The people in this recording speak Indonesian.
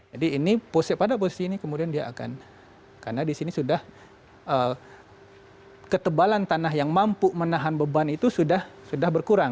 jadi ini pada posisi ini kemudian dia akan karena di sini sudah ketebalan tanah yang mampu menahan beban itu sudah berkurang